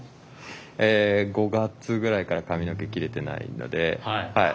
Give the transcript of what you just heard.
５月ぐらいから髪の毛きれてないので。